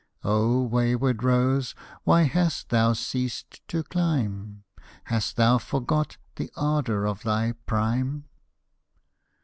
O wayward rose, why hast thou ceased to climb? Hast thou forgot the ardor of thy prime?